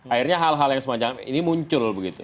akhirnya hal hal yang semacam ini muncul begitu